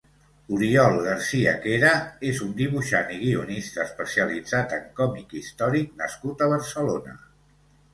Oriol Garcia Quera és un dibuixant i guionista especialitzat en còmic històric nascut a Barcelona.